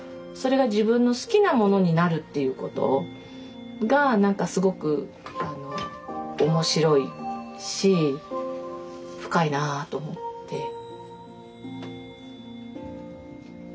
それが自分の好きなものになるっていうことが何かすごく面白いし深いなと思って。